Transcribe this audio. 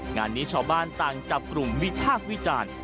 งานนี้ชาวบ้านต่างจับกลุ่มวิพากษ์วิจารณ์